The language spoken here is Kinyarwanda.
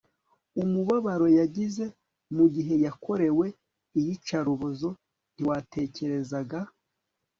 umubabaro yagize mugihe yakorewe iyicarubozo ntiwatekerezaga